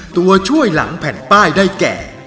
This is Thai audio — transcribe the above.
ตัวช่วยหลังแผ่นป้ายได้แก่